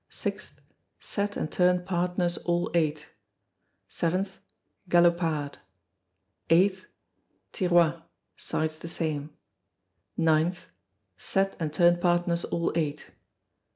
6th, Set and turn partners all eight. 7th, Galopade. 8th, Tirois, sides the same. 9th, Set and turn partners all eight.